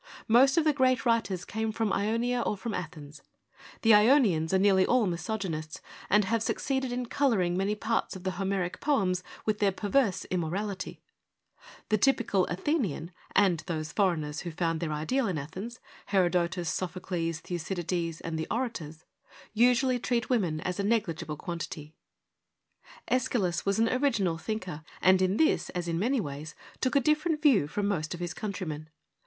Most of the great writers came from Ionia or from Athens : the Ionians are nearly all misogynists, and have succeeded in colouring many parts of the Homeric poems with their perverse immorality : the typical Athenian, and those foreigners who found their ideal in Athens — Herodotus, Sophocles, Thucy dides, the Orators — usually treat women as a negligible quantity. iEschylus was an original thinker, and in this, as in many ways, took a different view from most of his countrymen.